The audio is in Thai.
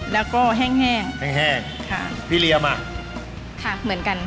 แล้วก็แห้งแห้งแห้งแห้งค่ะพี่เรียมอ่ะค่ะเหมือนกัน